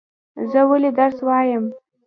زه ولی درس وایم؟